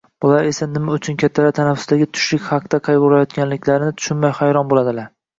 bolalar esa nima uchun kattalar tanaffusdagi tushlik haqida qayg‘urayotganliklarini tushunmay hayron bo‘ladilar